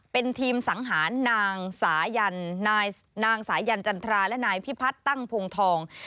เป็นทีมสังหารนางสายันนางสายันจันทราและนายพิพัฒน์ตั้งพงทอง